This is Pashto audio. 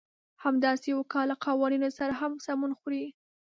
همداسې يو کار له قوانينو سره هم سمون خوري.